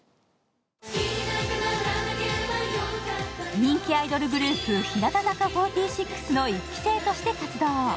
人気アイドルグループ、日向坂４６の１期生として活動。